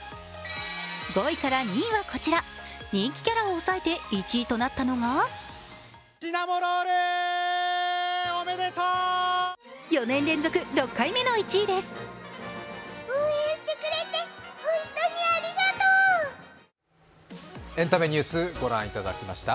５位から２位はこちら、人気キャラを抑えて１位となったのはエンタメニュースご覧いただきました。